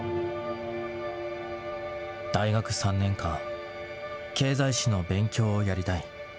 大学３年間、経済史の勉強をやりたい。